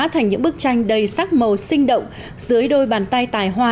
thành những bức tranh đầy sắc màu sinh động dưới đôi bàn tay tài hoa